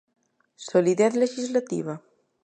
¿Solidez lexislativa?